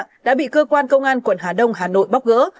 các đối tượng đã bị cơ quan công an quận hà đông hà nội bóc gỡ